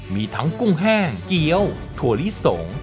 มีทั้งกุ้งแห้งเกี้ยวถั่วลิสง